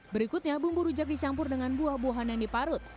berikutnya bumbu rujak dicampur dengan buah buahan yang diparut